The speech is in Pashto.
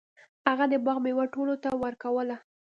هغه د باغ میوه ټولو ته ورکوله.